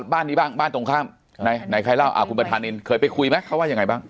บ้านนี้บ้างบ้านตรงข้ามไหนใครเล่าคุณประธานินเคยไปคุยไหมเขาว่ายังไงบ้าง